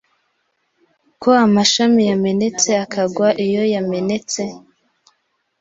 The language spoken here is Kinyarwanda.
Ko amashami yamenetse akagwa iyo yamenetse